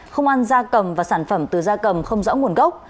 không ăn da cầm và sản phẩm từ da cầm không rõ nguồn gốc